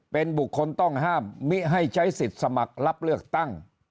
เป็นบุคคลต้องห้ามมิให้ใช้สิทธิ์สมัครรับเลือกตั้ง